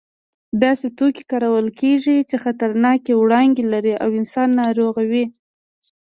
داسې توکي کارول کېږي چې خطرناکې وړانګې لري او انسان ناروغوي.